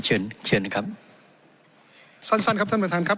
เชิญเชิญนะครับสั้นสั้นครับท่านประธานครับ